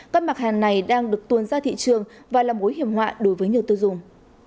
các mặt hàng này đang được tuôn ra thị trường và là mối hiểm họa đối với nhiều tư dùng